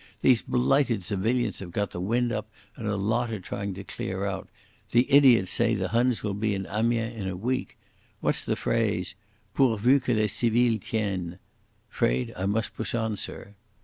These blighted civilians have got the wind up, and a lot are trying to clear out. The idiots say the Huns will be in Amiens in a week. What's the phrase? 'Pourvu que les civils tiennent.' "Fraid I must push on, Sir."